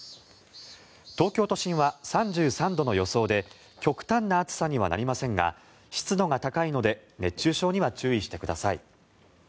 東京都心は３３度の予想で極端な暑さにはなりませんが湿度が高いので熱中症には注意してください。